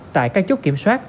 tại các chốt kiểm soát